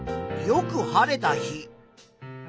よく晴れた日。